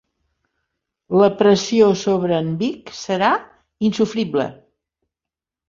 La pressió sobre en Vic serà insofrible.